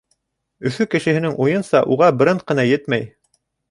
Өфө кешеһенең уйынса, уға бренд ҡына етмәй.